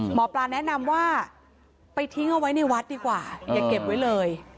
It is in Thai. หมอปลาแนะนำว่าไปทิ้งเอาไว้ในวัดดีกว่าอย่าเก็บไว้เลย